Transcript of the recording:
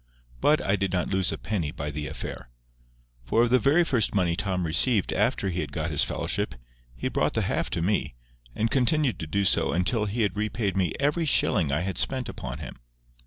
But I did not lose a penny by the affair. For of the very first money Tom received after he had got his fellowship, he brought the half to me, and continued to do so until he had repaid me every shilling I had spent upon him.